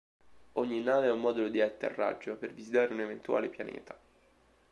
Ogni nave ha un modulo di atterraggio, per visitare un eventuale pianeta.